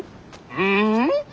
うん？